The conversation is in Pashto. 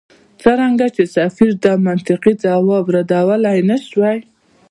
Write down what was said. څرنګه چې سفیر دا منطقي ځواب ردولای نه شوای.